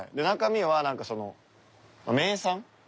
中身はなんかその名産。